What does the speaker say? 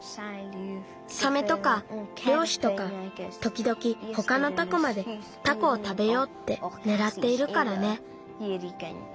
サメとかりょうしとかときどきほかのタコまでタコをたべようってねらっているからね。